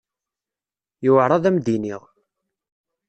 Yewɛeṛ ad am-d-iniɣ.